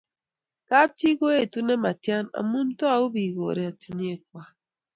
Kapchii koetu nematia amu tau piik koratinwek kwai